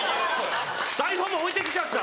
台本も置いてきちゃった